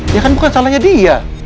ya kan bukan salahnya dia